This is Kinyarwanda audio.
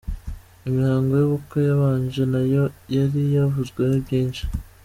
Imihango y’ubukwe yabanje nayo yari yavuzweho byinshi.